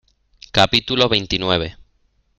capítulo veintinueve.